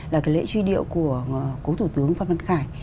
lễ truy điệu của cố thủ tướng phan văn khải